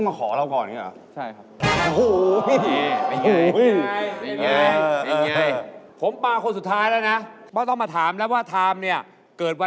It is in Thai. เมาด้วยเมาแล้วมืด